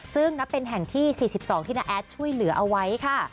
ซึ่งนับเป็นแห่งที่๔๒ที่น้าแอดช่วยเหลือเอาไว้ค่ะ